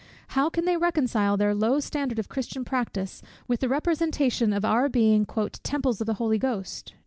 How can they reconcile their low standard of Christian practice with the representation of our being "temples of the Holy Ghost?"